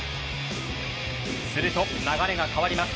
すると流れが変わります。